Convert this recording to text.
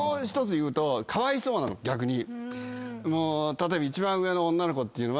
例えば。